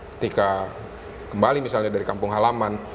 ketika kembali misalnya dari kampung halaman